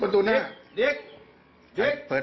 ดิ๊ก